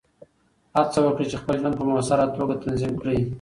هڅه وکړه چې خپل ژوند په مؤثره توګه تنظیم کړې.